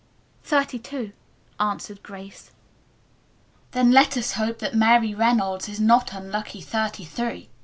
"Thirty two," answered Grace. "Then let us hope that Mary Reynolds is not unlucky thirty three.